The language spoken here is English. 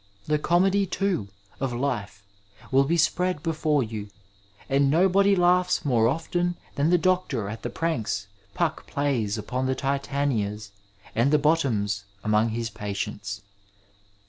The comedy, too, of life will be spread before you, and nobody laughs more often than the doctor at the pranks Puck plays upon the l^tanias and the Bottoms among his patients.